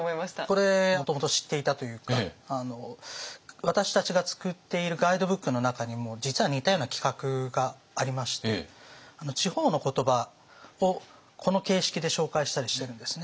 これもともと知っていたというか私たちが作っているガイドブックの中にも実は似たような企画がありまして地方の言葉をこの形式で紹介したりしてるんですね。